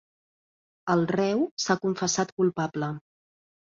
El reu s'ha confessat culpable.